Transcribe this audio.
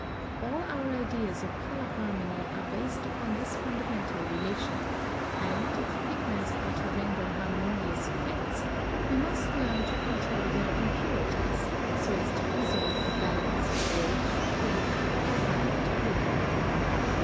All our ideas of color harmony are based upon this fundamental relation, and, if pigments are to render harmonious effects, we must learn to control their impurities so as to preserve a balance of red, green, and violet blue.